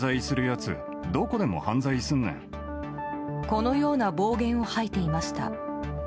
このような暴言を吐いていました。